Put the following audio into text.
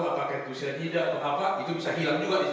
apakah itu sudah tidak atau apa itu bisa hilang juga di sini